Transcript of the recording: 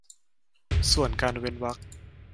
ส่วนการเว้นวรรค